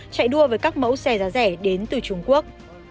chạy đua với các mẫu xe giá rẻ đến từ trung quốc